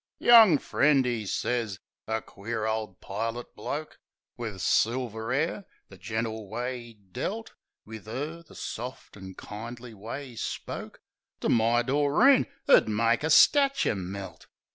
"Young friend," 'e sez ... A queer ole pilot bloke, Wiv silver 'air. The gentle way 'e dealt Wiv 'er, the soft an' kindly way 'e spoke To my Doreen, 'ud make a statcher melt.